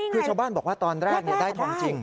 คือชาวบ้านบอกว่าตอนแรกได้ทองจริง